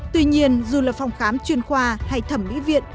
tuy nhiên dù là phòng khám chuyên khoa hay thẩm mỹ viện